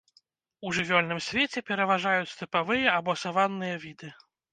У жывёльным свеце пераважаюць стэпавыя або саванныя віды.